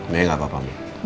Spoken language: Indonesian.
nih gak apa apa